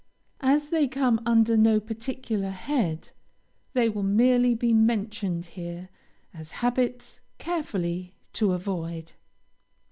As they come under no particular head, they will merely be mentioned here, as habits carefully to avoid.